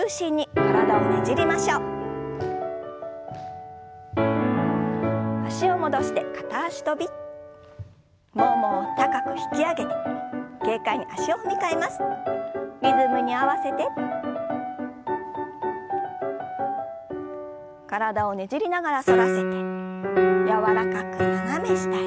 体をねじりながら反らせて柔らかく斜め下へ。